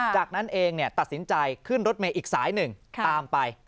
จากนั้นเองตัดสินใจขึ้นรถเมย์อีกสายหนึ่งตามไป